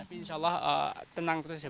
tapi insya allah tenang terus ya